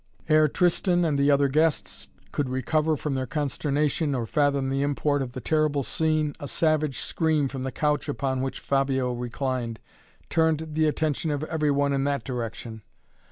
Ere Tristan and the other guests could recover from their consternation, or fathom the import of the terrible scene, a savage scream from the couch upon which Fabio reclined, turned the attention of every one in that direction.